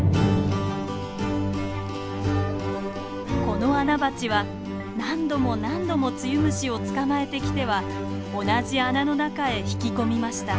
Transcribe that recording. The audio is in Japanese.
このアナバチは何度も何度もツユムシを捕まえてきては同じ穴の中へ引き込みました。